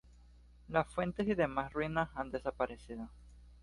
Las fuentes y demás ruinas han desaparecido.